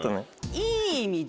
いい意味で。